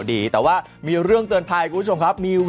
สำคัญคือไปใช้นี้นะ